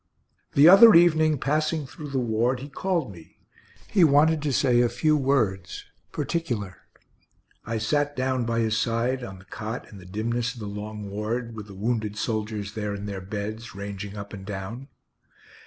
The other evening, passing through the ward, he called me he wanted to say a few words, particular. I sat down by his side on the cot in the dimness of the long ward, with the wounded soldiers there in their beds, ranging up and down.